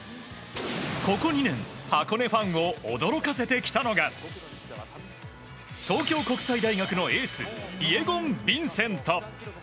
ここ２年箱根ファンを驚かせてきたのが東京国際大学のエースイェゴン・ヴィンセント。